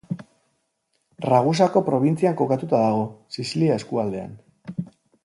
Ragusako probintzian kokatuta dago, Sizilia eskualdean.